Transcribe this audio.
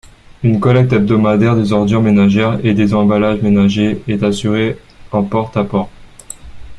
Une collecte hebdomadaire des ordures ménagères et des emballages ménagers est assurée en porte-à-porte.